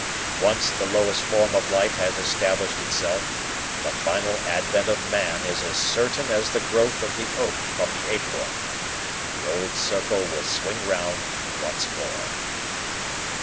Once the lowest form of life has established itself, the final advent of man is as certain as the growth of the oak from the acorn. The old circle will swing round once more."